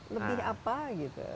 lebih apa gitu